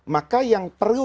maka yang perlu